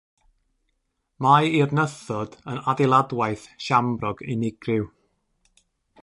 Mae i'r nythod yn adeiladwaith siambrog unigryw.